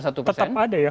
tetap ada ya